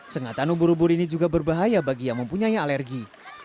sengatan ubur ubur ini juga berbahaya bagi yang mempunyai alergi